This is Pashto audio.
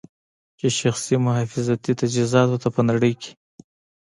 چې شخصي محافظتي تجهیزاتو ته په نړۍ کې